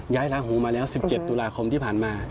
ย้ายล้างห่วงมาแล้ว๑๗ตุลาคมที่ผ่านมา